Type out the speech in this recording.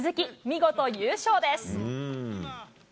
見事、優勝です。